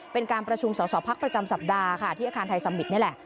เป็นการประชุมสอสอพักประจำสัปดาห์ค่ะที่อาคารไทยสมิตรนี่แหละ